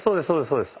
そうです